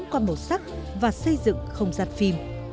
các đồng chí